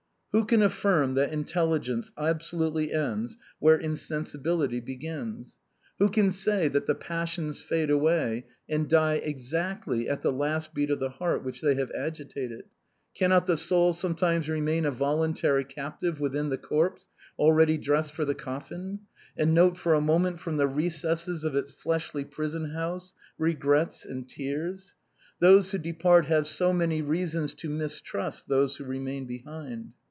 Who can affirm that intelligence absolutely ends where insensibility begins? Who can say that the passions fade away and die exactly at the last beat of the heart which they have agitated? Cannot the soul sometimes remain a voluntary captive within the corpse already dressed for the coffin, and note for a moment from the recesses of its fleshly prison house, regrets and tears? Those who de part have so many reasons to mistrust those who remain behind.